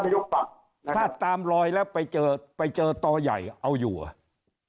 แล้วถ้าถ้าตามลอยแล้วไปเจอไปเจอต่อใหญ่เอาอยู่อ่ะ